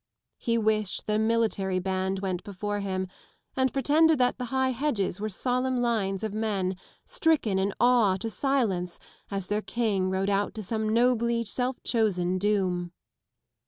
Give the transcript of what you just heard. He wished that a military band went before him, and pretended that the high hedges were solemn lines of men, stricken in awe to silence as their king rode out to some nobly self = chosen doom.